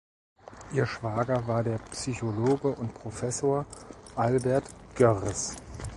Ihr Schwager war der Psychologe und Professor Albert Görres.